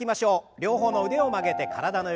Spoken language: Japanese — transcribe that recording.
両方の腕を曲げて体の横。